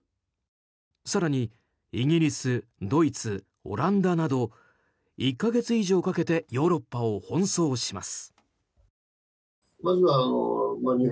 更に、イギリス、ドイツオランダなど１か月以上かけてヨーロッパを奔走します。